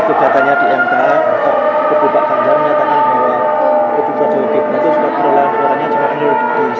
mk dua kebupakan yang nyatakan bahwa ketika juga itu suka berulang suaranya cuma nul